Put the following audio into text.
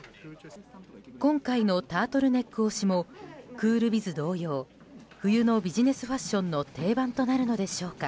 今回のタートルネック推しもクールビズ同様冬のビジネスファッションの定番となるのでしょうか。